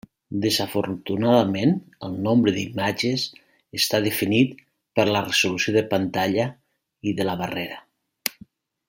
Desafortunadament el nombre d'imatges està definit per la resolució de pantalla i de la barrera.